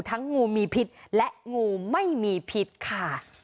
งูมีพิษและงูไม่มีพิษค่ะ